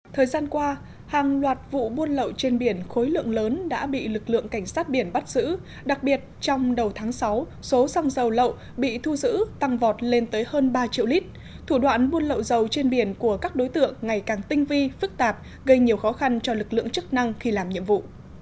thời gian qua hàng loạt vụ buôn lậu trên biển khối lượng lớn đã bị lực lượng cảnh sát biển bắt giữ đặc biệt trong đầu tháng sáu số xăng dầu lậu bị thu giữ tăng vọt lên tới hơn ba triệu lít thủ đoạn buôn lậu dầu trên biển của các đối tượng ngày càng tinh vi phức tạp gây nhiều khó khăn cho lực lượng chức năng khi làm nhiệm vụ